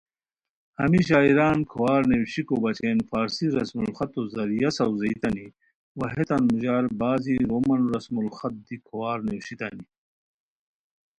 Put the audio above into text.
ہمی شاعران کھوار نیویشیکو بچین فارسی رسم الخطو ذریعہ ساؤزیتانی وا ہیتان موژار بعضی رومن رسم الخطہ دی کھوار نیویشیتانی